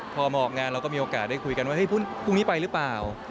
พอมาออกงานเราก็มีโอกาสได้คุยกันว่าพรุ่งนี้ไปหรือเปล่า